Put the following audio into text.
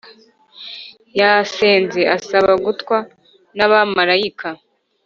yasenze asaba kugotwa na abamarayika